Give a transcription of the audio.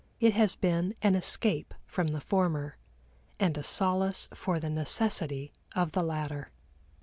It has been an escape from the former, and a solace for the necessity of the latter.